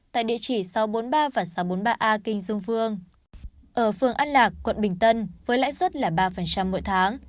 tại địa chỉ sáu trăm bốn mươi ba và sáu trăm bốn mươi ba a kinh dương vương ở phường an lạc quận bình tân với lãi suất là ba mỗi tháng